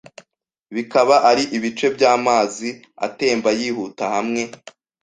bikaba ari ibice byamazi atemba yihuta hamwe